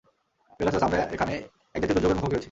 Pegasus, আমরা এখানে এক জাতীয় দুর্যোগের মুখোমুখি হয়েছি।